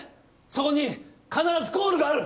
そこに必ずゴールがある！